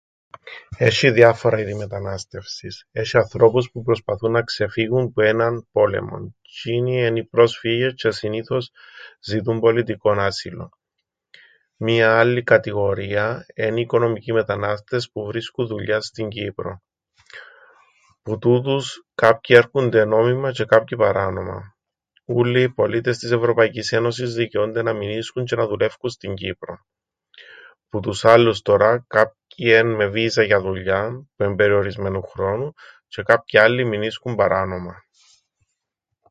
Έσ̆ει διάφορα ήδη μετανάστευσης. Έσ̆ει ανθρώπους που προσπαθούν να ξεφύγουν που έναν πόλεμον. Τζ̆είνοι εν' οι πρόσφυγες τζ̆αι συνήθως ζητούν πολιτικόν άσυλον. Μία άλλη κατηγορία εν' οι οικονομικοί μετανάστες, που βρίσκουν δουλειάν στην Κύπρον. Που τούτους κάποιοι έρκουνται νόμιμα τζ̆αι κάποιοι παράνομα. Ούλλοι οι πολίτες της Ευρωπαϊκής Ένωσης δικαιούνται να μεινίσκουν τζ̆αι να δουλεύκουν στην Κύπρον. Που τους άλλους τωρά κάποιοι εν' με βίζαν για δουλειάν που εν' περιορισμένου χρόνου τζ̆αι κάποιοι άλλοι μεινίσκουν παράνομα.